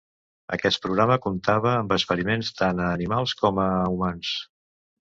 Aquest programa comptava amb experiments tant a animals com a humans.